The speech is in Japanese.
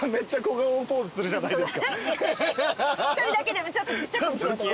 １人だけでもちょっとちっちゃく。